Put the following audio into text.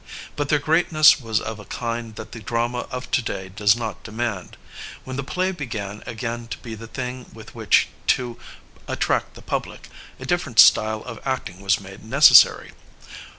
But their greatness was of a kind that the drama of to day does not demand. When the play began again to be the thing with which to attract the pub lic, a different style of acting was made necessary.